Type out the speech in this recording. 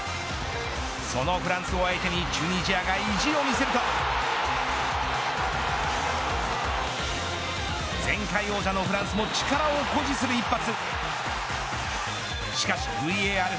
そのフランスを相手にチュニジアが意地を見せると前回王者のフランスも力を誇示する一発。